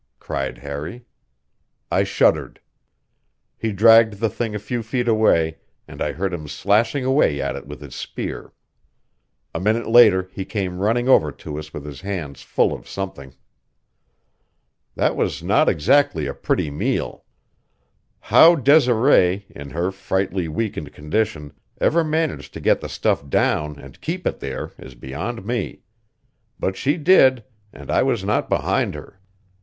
cried Harry. I shuddered. He dragged the thing a few feet away, and I heard him slashing away at it with his spear. A minute later he came running over to us with his hands full of something. That was not exactly a pretty meal. How Desiree, in her frightfully weakened condition, ever managed to get the stuff down and keep it there is beyond me. But she did, and I was not behind her.